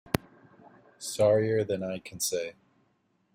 Sorrier than I can say.